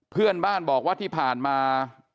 เพื่อนบ้านบอกว่าที่ผ่านมา